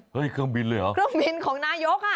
เครื่องบินเลยเหรอเครื่องบินของนายกค่ะ